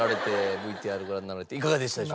ＶＴＲご覧なられていかがでしたでしょうか？